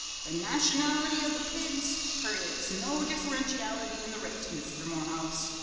Th' nationality of the pig creates no differentiality in the rate, Misther Morehouse!